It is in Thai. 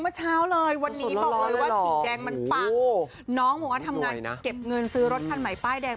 เมื่อเช้าเลยวันนี้บอกเลยว่าสีแดงมันปังน้องบอกว่าทำงานเก็บเงินซื้อรถคันใหม่ป้ายแดง